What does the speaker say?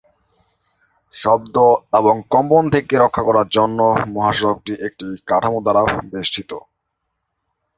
শব্দ এবং কম্পন থেকে রক্ষা করার জন্য মহাসড়কটি একটি কাঠামো দ্বারা বেষ্টিত।